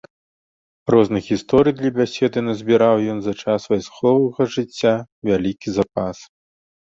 Розных гісторый для бяседы назбіраў ён за час вайсковага жыцця вялікі запас.